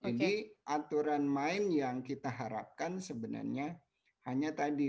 aturan main yang kita harapkan sebenarnya hanya tadi